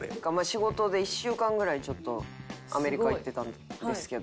仕事で１週間ぐらいちょっとアメリカ行ってたんですけど。